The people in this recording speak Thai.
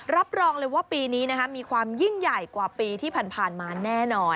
รับรองเลยว่าปีนี้มีความยิ่งใหญ่กว่าปีที่ผ่านมาแน่นอน